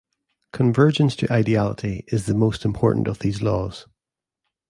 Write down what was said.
Convergence to ideality is the most important of these laws.